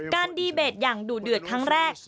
ดีเบตอย่างดูเดือดครั้งแรก